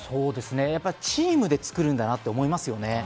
やっぱりチームで作るんだなと思いますね。